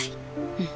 うん。